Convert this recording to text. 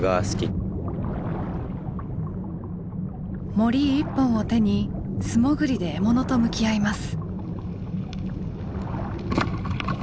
もり一本を手に素潜りで獲物と向き合います。